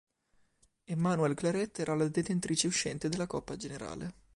Emmanuelle Claret era la detentrice uscente della Coppa generale.